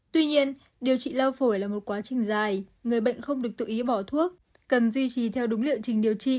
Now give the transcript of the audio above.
tuy nhiên điều trị lao phổi là một quá trình dài người bệnh không được tự ý bỏ thuốc cần duy trì theo đúng liệu trình điều trị